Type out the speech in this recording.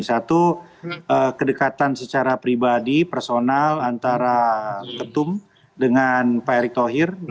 satu kedekatan secara pribadi personal antara ketum dengan pak erick thohir